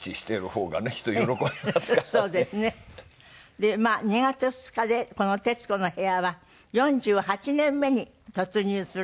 で２月２日でこの『徹子の部屋』は４８年目に突入する。